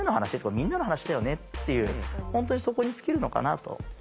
みんなの話だよねっていう本当にそこに尽きるのかなと。